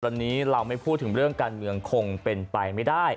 วันนี้เราไม่พูดถึงเรื่องการเมืองคงเป็นไปไม่ได้